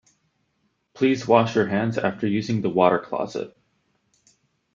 Please wash your hands after using the water closet.